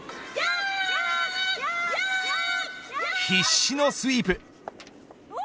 必死のスイープ。